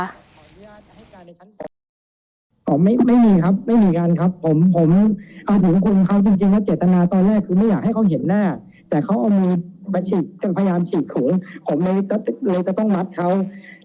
แล้วเรื่องที่มีการเรียกรับเงินเพราะมีเสียงที่พูดถึงเรื่องเงินหนึ่งล้าน